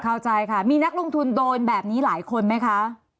เข้าใจค่ะมีนักลงทุนโดนแบบนี้หลายคนไหมคะ